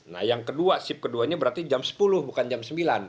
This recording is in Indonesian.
nah yang kedua ship keduanya berarti jam sepuluh bukan jam sembilan